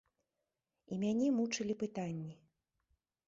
І мяне мучылі пытанні.